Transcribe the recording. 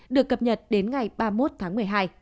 được cập nhật đến ngày ba mươi một tháng một mươi hai